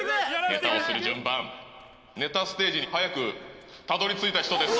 ネタをする順番ネタステージに早くたどりついた人です